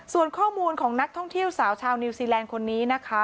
ส่วนข้อมูลของนักท่องเที่ยวสาวชาวนิวซีแลนด์คนนี้นะคะ